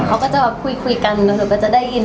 เขาก็จะคุยกันถูกก็จะได้ยิน